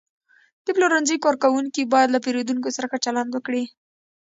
د پلورنځي کارکوونکي باید له پیرودونکو سره ښه چلند وکړي.